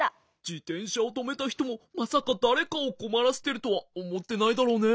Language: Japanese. じてんしゃをとめたひともまさかだれかをこまらせてるとはおもってないだろうね。